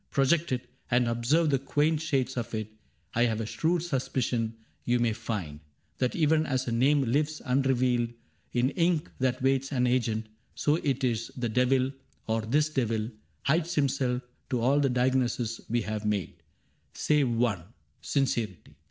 Project it, and observe the quaint shades of it, I have a shrewd suspicion you may find That even as a name lives unrevealed In ink that waits an agent, so it is The devil — or this devil — hides himself To all the diagnoses we have made Save one, — sincerity.